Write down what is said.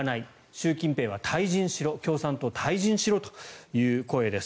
習近平は退陣しろ共産党、退陣しろという声です。